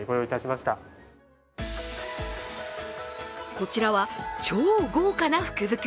こちらは超豪華な福袋。